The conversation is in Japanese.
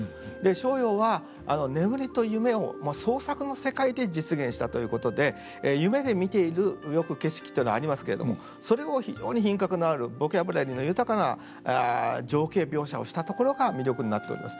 逍遙は眠りと夢を創作の世界で実現したということで夢で見ているよく景色っていうのがありますけれどもそれを非常に品格のあるボキャブラリーの豊かな情景描写をしたところが魅力になっております。